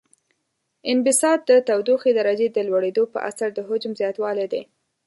انبساط د تودوخې درجې د لوړیدو په اثر د حجم زیاتوالی دی.